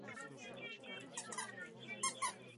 Konflikt je nedílnou součástí společnosti.